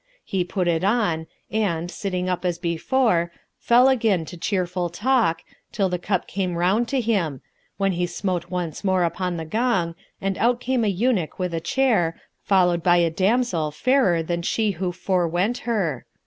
He put it on and, sitting up as before, fell again to cheerful talk, till the cup came round to him, when he smote once more upon the gong and out came a eunuch with a chair, followed by a damsel fairer than she who forewent her.